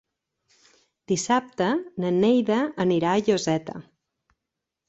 Dissabte na Neida anirà a Lloseta.